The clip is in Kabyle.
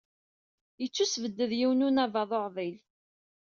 Yettusbedd yiwen unabaḍ uɛḍil.